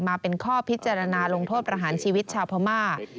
มาเป็นข้อพิจารณาลงโทษประหารชีวิตชาวพม่า